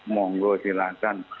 mohon gue silahkan